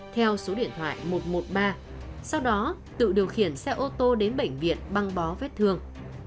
theo số điện thoại một trăm một mươi ba sau đó tự điều khiển xe ô tô đến bệnh viện băng bó vết thương